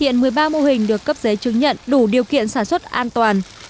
hiện một mươi ba mô hình được cấp giấy chứng nhận đủ điều kiện sản xuất an toàn